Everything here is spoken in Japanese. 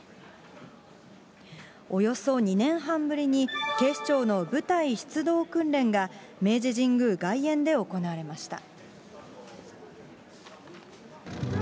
およそ２年半ぶりに、警視庁の部隊出動訓練が、明治神宮外苑で行われました。